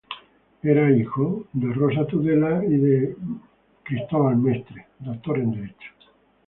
Era hijo de Cristóbal Mestre, doctor en Derecho, y de Rosa Tudela.